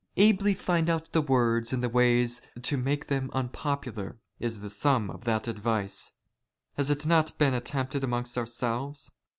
" Ably find out the words and the ways to make them unpopular " is the sum of that advice. Has it not been attempted amongst ourselves